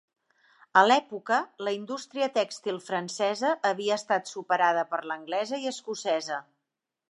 A l'època, la indústria tèxtil francesa havia estat superada per l'anglesa i escocesa.